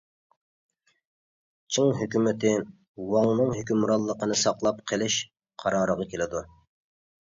چىڭ ھۆكۈمىتى ۋاڭنىڭ ھۆكۈمرانلىقىنى ساقلاپ قېلىش قارارىغا كېلىدۇ.